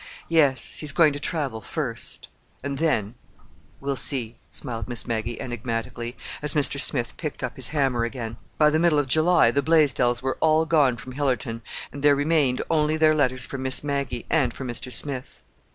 "Yes, he's going to travel, first. And then—we'll see," smiled Miss Maggie enigmatically, as Mr. Smith picked up his hammer again. By the middle of July the Blaisdells were all gone from Hillerton and there remained only their letters for Miss Maggie—and for Mr. Smith.